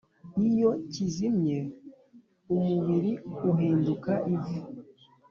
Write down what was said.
iyo kizimye, umubiri uhinduka ivu,